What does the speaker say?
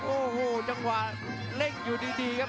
โอ้โหจังหวะเร่งอยู่ดีครับ